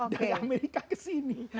dari amerika ke sini